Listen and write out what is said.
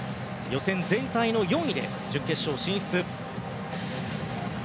予選全体の４位で準決勝進出。